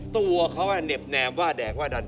ตัวเขาเหน็บแนมว่าแดกว่าดัน